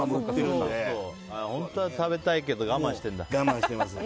本当は食べたいけど我慢してるんだ。